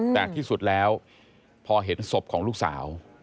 แต่ที่สุดแล้วพอเห็นศพของลูกสาว